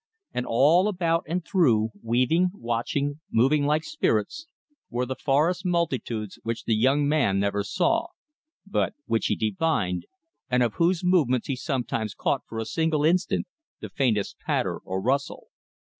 And all about and through, weaving, watching, moving like spirits, were the forest multitudes which the young man never saw, but which he divined, and of whose movements he sometimes caught for a single instant the faintest patter or rustle.